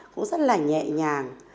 cũng rất là nhẹ nhàng